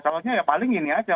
seharusnya ya paling ini aja